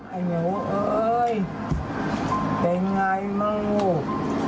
แม่กับยายนะลูกหลับให้สบายนะลูก